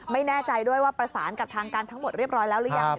ไม่แน่ใจด้วยว่าประสานกับทางการทั้งหมดเรียบร้อยแล้วหรือยัง